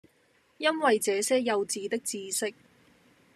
因爲這些幼稚的知識，